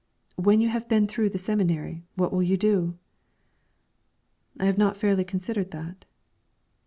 "When you have been through the seminary, what will you do?" "I have not fairly considered that."